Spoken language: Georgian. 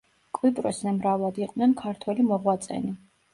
კვიპროსზე მრავლად იყვნენ ქართველი მოღვაწენი.